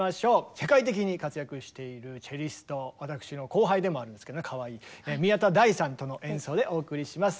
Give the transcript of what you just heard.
世界的に活躍しているチェリスト私の後輩でもあるんですけどねかわいい宮田大さんとの演奏でお送りします。